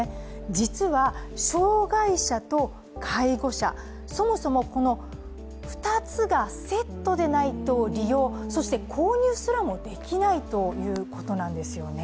実は障害者と介護者、そもそもこの２つがセットでないと利用、そして購入すらもできないということなんですよね。